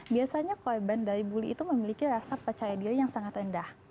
biasanya korban dari bully itu memiliki rasa percaya diri yang sangat rendah